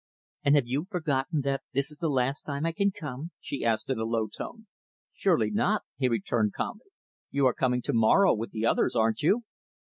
"And have you forgotten that this is the last time I can come?" she asked in a low tone. "Surely not" he returned calmly "you are coming to morrow, with the others, aren't you?"